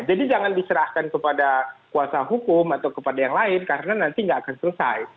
jadi jangan diserahkan kepada kuasa hukum atau kepada yang lain karena nanti tidak akan selesai